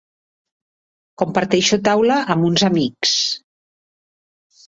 Comparteixo taula amb uns amics.